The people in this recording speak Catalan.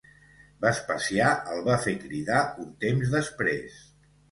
Vespasià el va fer cridar un temps després.